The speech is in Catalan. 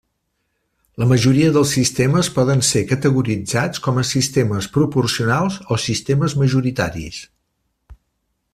La majoria dels sistemes poden ser categoritzats com a sistemes proporcionals o sistemes majoritaris.